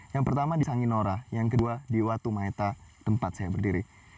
yang pertama di sanginora yang kedua di watumaeta tempat saya berdiri